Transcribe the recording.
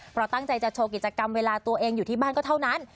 เพราะตั้งใจจะโชว์กิจกรรมเวลาตัวเองอยู่ที่บ้านก็เท่านั้น